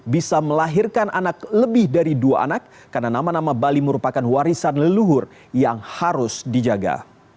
bisa melahirkan anak lebih dari dua anak karena nama nama bali merupakan warisan leluhur yang harus dijaga